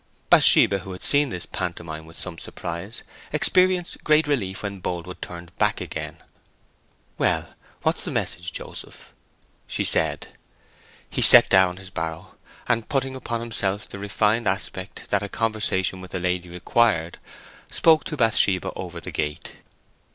Bathsheba, who had seen this pantomime with some surprise, experienced great relief when Boldwood turned back again. "Well, what's the message, Joseph?" she said. He set down his barrow, and, putting upon himself the refined aspect that a conversation with a lady required, spoke to Bathsheba over the gate.